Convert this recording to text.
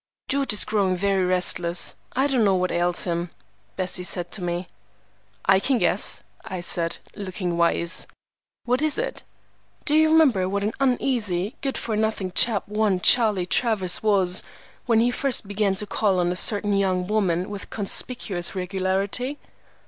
"George is growing very restless. I don't know what ails him," Bessie said to me. "I can guess," I said, looking wise. "What is it?" "Do you remember what an uneasy, good for nothing chap one Charlie Travers was, when he first began to call on a certain young woman with conspicuous regularity?"